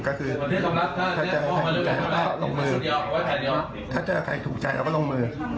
ก็คือถ้าเจอใครถูกใจเราก็ลงมือถ้าเจอใครถูกใจเราก็ลงมือ